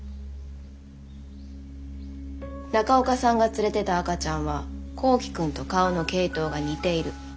中岡さんが連れてた赤ちゃんは幸希くんと顔の系統が似ている。